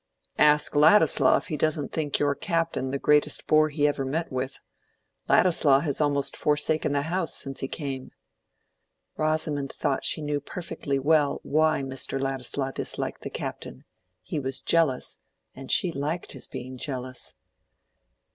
"Ask Ladislaw if he doesn't think your Captain the greatest bore he ever met with. Ladislaw has almost forsaken the house since he came." Rosamond thought she knew perfectly well why Mr. Ladislaw disliked the Captain: he was jealous, and she liked his being jealous.